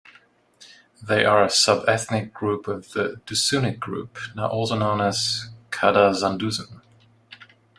They are a sub-ethnic group of the Dusunic group, now also known as Kadazandusun.